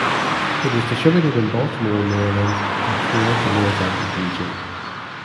It is distributed in Baltimore, Maryland and throughout the Mid-Atlantic region.